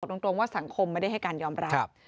ตรงว่าสังคมไม่ได้ให้การยอมรับ